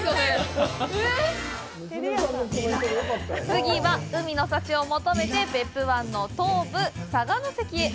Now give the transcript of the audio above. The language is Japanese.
次は、海の幸を求めて別府湾の東部、佐賀関へ。